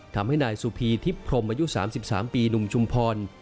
ทำให้นายสุพีทิพย์พรมอายุ๓๓ปีหนุ่มชุมพร